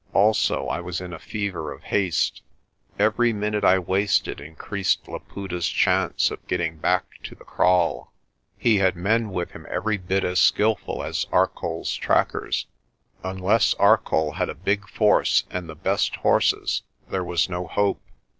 Also I was in a fever of haste. Every minute I wasted increased Laputa's chance of getting back to the kraal. He had men with him every bit as skilful as Arcoll's A MAN'S TRUST IN A HORSE 217 trackers. Unless Arcoll had a big force and the best horses there was no hope.